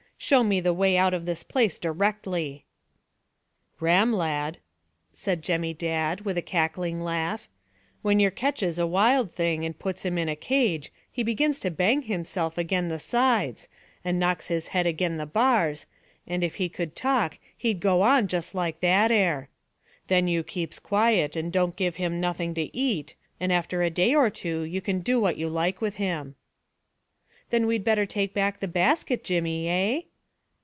Show me the way out of this place directly." "Ram, lad," said Jemmy Dadd, with a cackling laugh; "when yer ketches a wild thing, and puts him in a cage, he begins to bang hisself agen the sides, and knocks his head agen the bars, and if he could talk he'd go on just like that 'ere. Then you keeps quiet, and don't give him nothing to eat, and after a day or two you can do what you like with him." "Then we'd better take back the basket, Jemmy, eh?"